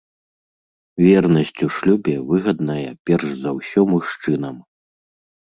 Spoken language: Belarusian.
Вернасць у шлюбе выгадная перш за ўсё мужчынам.